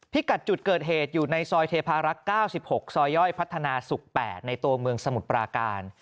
กัดจุดเกิดเหตุอยู่ในซอยเทพารักษ์๙๖ซอยย่อยพัฒนาศุกร์๘ในตัวเมืองสมุทรปราการ